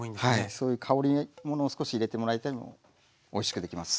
そういう香りものを少し入れてもらえてもおいしくできます。